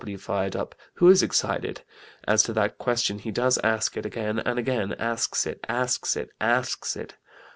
W. fired up 'Who is excited? As to that question, he does ask it again and again: asks it, asks it, asks it.'